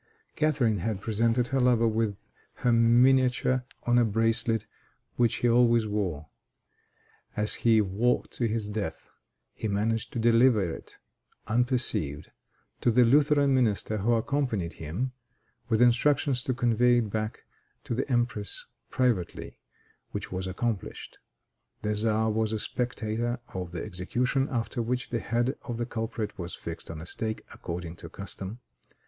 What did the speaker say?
Catharine had presented her lover with her miniature on a bracelet, which he always wore. As he walked to his death, he managed to deliver it, unperceived, to the Lutheran minister who accompanied him, with instructions to convey it back to the empress privately, which was accomplished. The Czar was a spectator of the execution, after which the head of the culprit was fixed on a stake, according to custom.